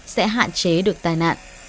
sẽ hạn chế được tai nạn